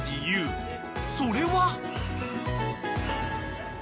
［それは］